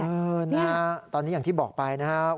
เออนะฮะตอนนี้อย่างที่บอกไปนะครับ